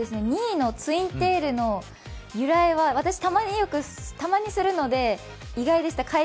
２位のツインテールの由来は私、たまにするので、意外でした。